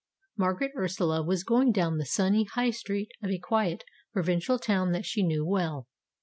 Margaret Ursula was going down the sunny High Street of a quiet, provincial town that she knew well.